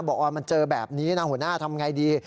บอกว่ามันเจอแบบนี้นะหัวหน้าทำไงดี